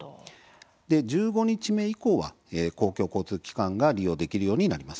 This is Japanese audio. １５日目以降は公共交通機関が利用できるようになります。